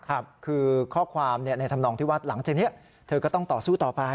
ครับคือข้อความในธรรมนองที่ว่าหลังจากนี้เธอก็ต้องต่อสู้ต่อไป